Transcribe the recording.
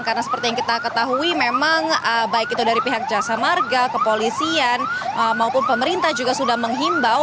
karena seperti yang kita ketahui memang baik itu dari pihak jasa marga kepolisian maupun pemerintah juga sudah menghimbau